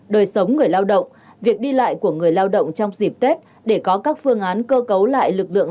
đời sống người lao động việc đi lại của người lao động trong dịp tết để có các phương án cơ cấu lại lực lượng